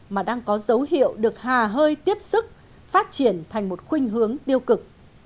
mà đang có dấu hiệu được hà hơi tiếp sức phát triển thành một khuyên hướng tiêu cực